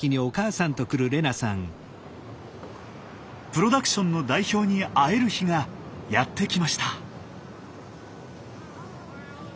プロダクションの代表に会える日がやって来ました。